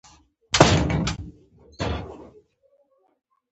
جنرال رابرټس لیکي چې ما له یعقوب خان سره څو مجلسونه وکړل.